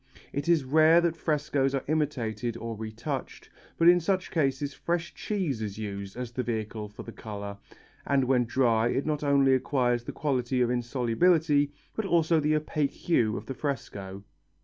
It is rare that frescoes are imitated or retouched, but in such cases fresh cheese is used as the vehicle for the colour, and when dry it not only acquires the quality of insolubility but also the opaque hue of the fresco.